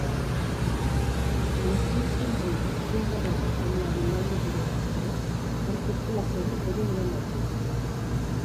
L'estil senzill juntament amb l'abundant documentació han fet que la sèrie fos un gran èxit.